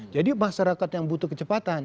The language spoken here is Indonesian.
jadi masyarakat yang butuh kecepatan